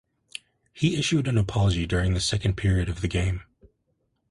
He issued an apology during the second period of the game.